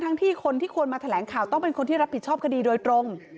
ที่คนที่ควรมาแถลงข่าวต้องเป็นคนที่รับผิดชอบคดีโดยตรง